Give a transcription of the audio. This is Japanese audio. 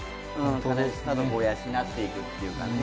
家族を養っていくっていうかね。